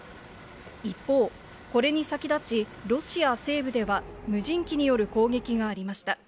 一方、これに先立ち、ロシア西部では、無人機による攻撃がありました。